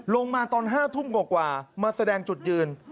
มาตอน๕ทุ่มกว่ามาแสดงจุดยืน